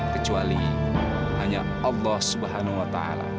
kecuali hanya allah swt